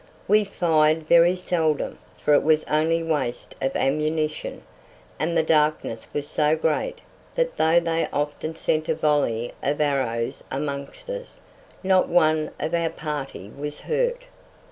We fired very seldom, for it was only waste of ammunition, and the darkness was so great that though they often sent a volley of arrows amongst us, not one of our party was hurt.